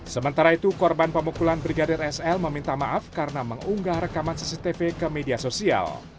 sementara itu korban pemukulan brigadir sl meminta maaf karena mengunggah rekaman cctv ke media sosial